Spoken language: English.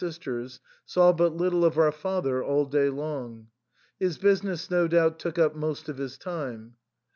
sisters, saw but little of our father all day long. His business no doubt took up most of his time.